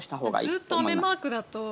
ずっと雨マークだと１